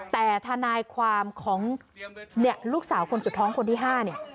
แต่ทนายความของลูกสาวคนสุดท้องคนที่๕เนี่ย